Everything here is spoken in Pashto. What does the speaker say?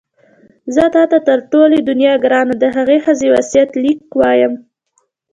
زه تا ته تر ټولې دنیا ګرانه د هغې ښځې وصیت لیک وایم.